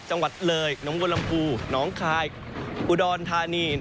จังหวัดเลยน้องกลมภูน้องคลายอุดอนธานี